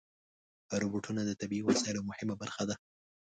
روبوټونه د طبي وسایلو یوه مهمه برخه ده.